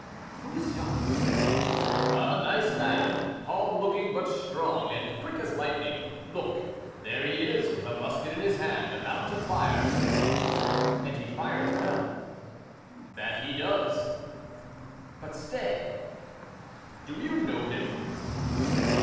"Who is Jacques?" "A nice lad, calm looking, but strong, and quick as lightning. Look, there he is with a musket in his hand, about to fire." "And he fires well." "That he does." "But stay—" "Do you know him?"